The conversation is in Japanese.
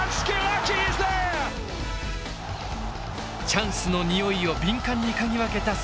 チャンスのにおいを敏感に嗅ぎ分けたスキラッチ。